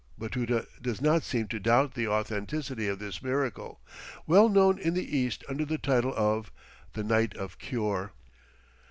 Batuta does not seem to doubt the authenticity of this miracle, well known in the East under the title of "the Night of Cure."